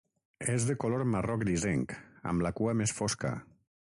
És de color marró grisenc, amb la cua més fosca.